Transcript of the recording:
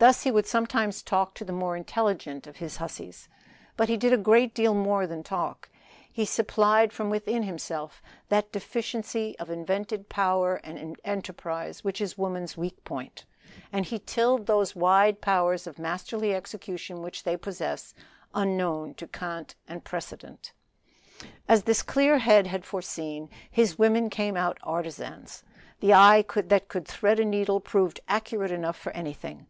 Thus he would sometimes talk to the more intelligent of his hussies; but he did a great deal more than talk. He supplied from himself that deficiency of inventive power and enterprise which is woman's weak point; and he tilled those wide powers of masterly execution which they possess unknown to grandpapa Cant and grandmamma Precedent. As this clear head had foreseen, his women came out artisans. The eye that could thread a needle proved accurate enough for anything.